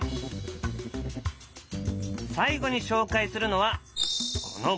最後に紹介するのはこの画びょう。